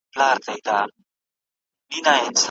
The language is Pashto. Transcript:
تاسو خپل کمپیوټر د لمر له مستقیمې وړانګې څخه تل لرې وساتئ.